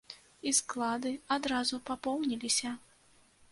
І склады адразу папоўніліся!